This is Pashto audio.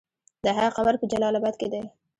د هغه قبر په جلال اباد کې دی.